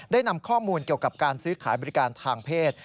ได้นำข้อมูลเกี่ยวกับการซื้อขายบริการทางเพศ